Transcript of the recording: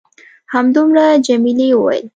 همدومره؟ جميلې وويل:.